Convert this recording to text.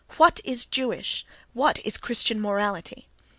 What is Jewish, what is Christian morality?